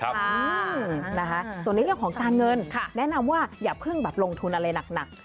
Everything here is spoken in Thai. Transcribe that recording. ส่วนในเรื่องของการเงินแนะนำว่าอย่าเพิ่งแบบลงทุนอะไรหนัก